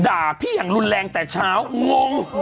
ด่าพี่อย่างรุนแรงแต่เช้างง